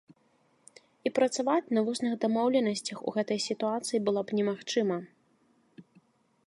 І працаваць на вусных дамоўленасцях у гэтай сітуацыі было б немагчыма.